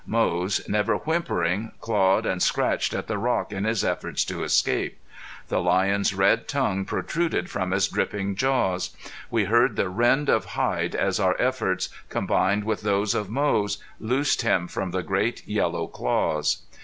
Moze, never whimpering, clawed and scratched at the rock in his efforts to escape. The lion's red tongue protruded from his dripping jaws. We heard the rend of hide as our efforts, combined with those of Moze, loosed him from the great yellow claws.